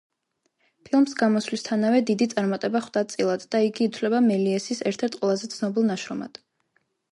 ფილმს გამოსვლისთანავე დიდი წარმატება ხვდა წილად და იგი ითვლება მელიესის ერთ-ერთ ყველაზე ცნობილ ნაშრომად.